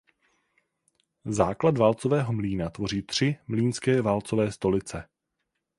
Základ válcového mlýna tvoří tři mlýnské válcové stolice.